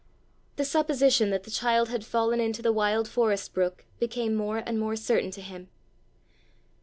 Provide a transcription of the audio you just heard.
The supposition that the child had fallen into the wild forest brook became more and more certain to him.